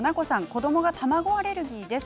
子どもが卵アレルギーです。